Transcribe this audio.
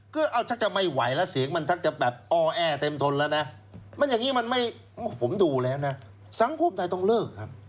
เขาก็ยอมขอโทษ